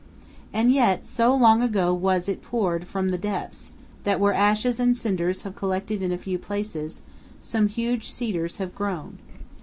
And yet, so long ago was it poured from the depths, that where ashes and cinders have collected in a few places, some huge cedars have grown.